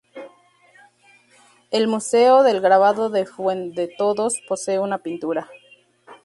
El Museo del Grabado de Fuendetodos posee una pintura.